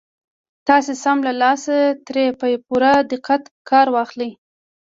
تاسې سم له لاسه ترې په پوره دقت کار واخلئ.